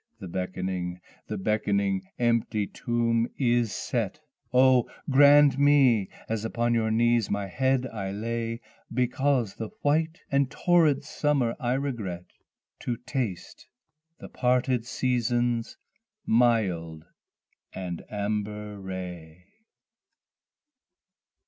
the beckoning the beckoning empty tomb is set! Oh grant me as upon your knees my head I lay, (Because the white and torrid summer I regret), To taste the parted season's mild and amber ray.